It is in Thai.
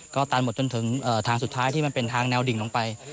ก็ตันหมดจนถึงทางสุดท้ายที่มันเป็นทางแนวดิ่งลงไป